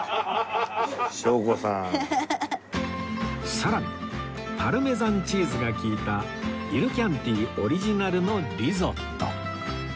さらにパルメザンチーズが利いたイルキャンティオリジナルのリゾット